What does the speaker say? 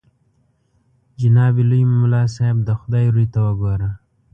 جناب لوی ملا صاحب د خدای روی ته وګوره.